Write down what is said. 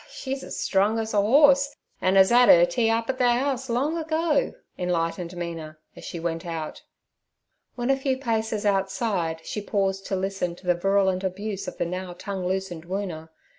she's strong as a horse, an' 'as 'ad her tea up at the house long ago' enlightened Mina, as she went out. When a few paces outside, she paused to listen to the virulent abuse of the now tongueloosened Woona.